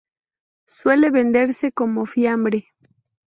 Suele venderse como fiambre.